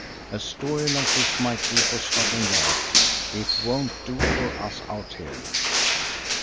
A story like this might do for Scotland Yard. It won't do for us out here."